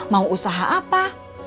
mau usaha apa